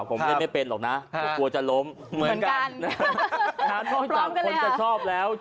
ผมเล่นไม่เป็นหรอกนะกลัวจะล้มเหมือนกันนะฮะนอกจากคนจะชอบแล้ว